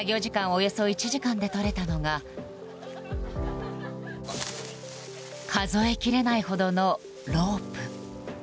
およそ１時間で取れたのが数えきれないほどのロープ。